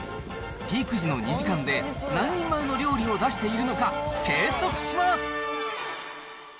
ピーク時の２時間で、何人前の料理を出しているのか、計測します。